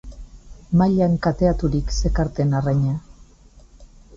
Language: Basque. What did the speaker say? Mailan kateaturik zekarten arraina.